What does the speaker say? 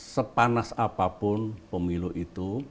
sepanas apapun pemilu itu